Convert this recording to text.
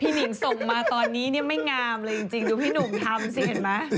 หนิงส่งมาตอนนี้เนี่ยไม่งามเลยจริงดูพี่หนุ่มทำสิเห็นไหม